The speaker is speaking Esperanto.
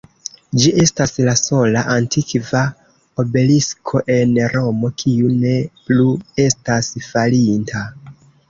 Ĝi estas la sola antikva obelisko en Romo, kiu ne plu estas falinta.